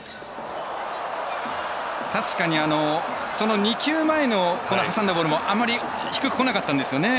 確かに、その２球前の挟んだボールもあまり低くこなかったんですよね。